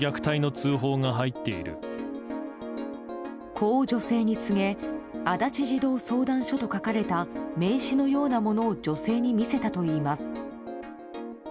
こう女性に告げ足立児童相談所と書かれた名刺のようなものを女性に見せたといいます。